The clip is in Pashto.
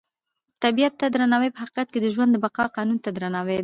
طبیعت ته درناوی په حقیقت کې د ژوند د بقا قانون ته درناوی دی.